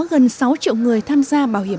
gần sáu triệu người tham gia bảo hiểm